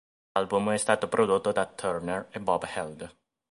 L'album è stato prodotto da Turner e Bob Held.